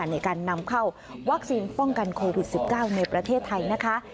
ในการนำเข้าวัคซีนป้องกันโควิด๑๙ในประเทศไทยนะคะ